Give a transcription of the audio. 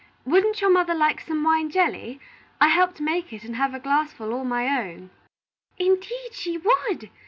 Wouldn't your mother like some wine jelly? I helped make it, and have a glassful all my own." "Indeed she would!"